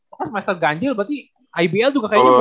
oh semester ganjil berarti ibl juga kayaknya mulai